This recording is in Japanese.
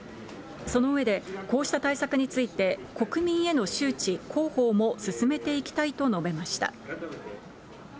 その上で、こうした対策について、国民への周知、広報も進めていきたいと述べました。